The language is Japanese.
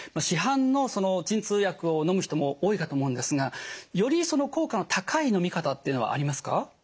市販の鎮痛薬をのむ人も多いかと思うんですがより効果の高いのみ方っていうのはありますか？